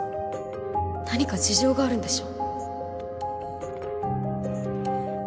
何か事情があるんでしょ？